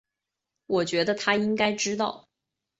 我觉得他应该知道